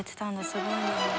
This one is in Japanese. すごいな。